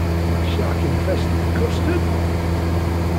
Shark infested custard!